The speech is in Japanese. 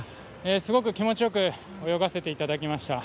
すごく気持ちよく泳がせていただきました。